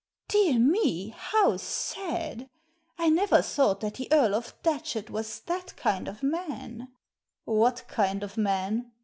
" Dear me ! How sad ! I never thought that the Earl of Datchet was that kind of man/' "What kind of man?"